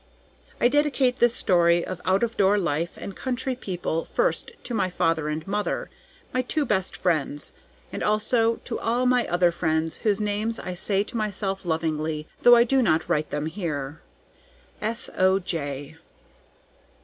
I dedicate this story of out of door life and country people first to my father and mother, my two best friends, and also to all my other friends, whose names I say to myself lovingly, though I do not write them here. S. O. J.